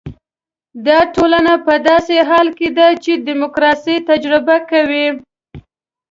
دا ټولنه په داسې حال کې ده چې ډیموکراسي تجربه کوي.